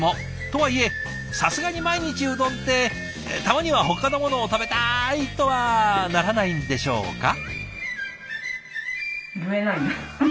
とはいえさすがに毎日うどんって「たまにはほかのものも食べたい！」とはならないんでしょうか？